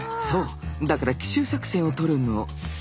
そうだから奇襲作戦をとるの。